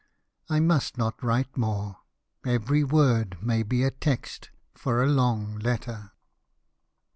I must not Avrite more. Every word may be a text for a long letter."